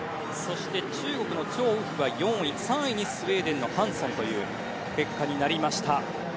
中国のチョウ・ウヒは４位３位にスウェーデンのハンソンという結果になりました。